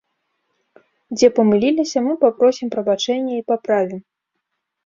Дзе памыліліся, мы папросім прабачэння і паправім.